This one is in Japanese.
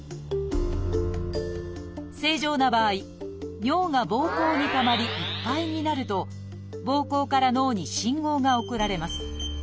正常な場合尿がぼうこうにたまりいっぱいになるとぼうこうから脳に信号が送られます。